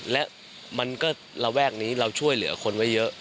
และมันก็ระแวกนี้เราช่วยเหลือคนไว้เยอะ